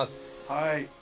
はい。